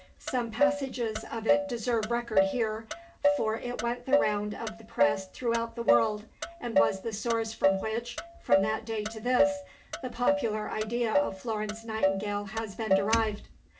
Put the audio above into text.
Some passages of it deserve record here, for it went the round of the press throughout the world, and was the source from which, from that day to this, the popular idea of Florence Nightingale has been derived.